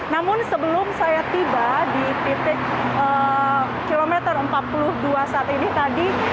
namun sebelum saya tiba di titik kilometer empat puluh dua saat ini tadi